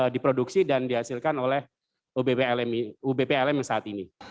diproduksi dan dihasilkan oleh ubplm saat ini